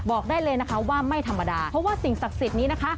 บอกได้เลยนะคะว่าไม่ธรรมดาเพราะว่าสิ่งศักดิ์สิทธิ์นี้นะคะ